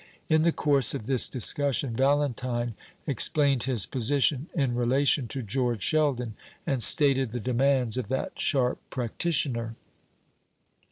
In the course of this discussion Valentine explained his position in relation to George Sheldon, and stated the demands of that sharp practitioner.